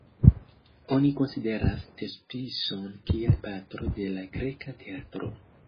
Oni konsideras Tespison kiel patro de la greka teatro.